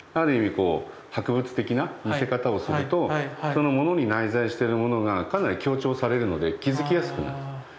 こう博物的な見せ方をするとその物に内在してるものがかなり強調されるので気付きやすくなる。